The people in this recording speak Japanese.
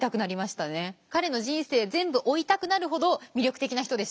彼の人生全部追いたくなるほど魅力的な人でした。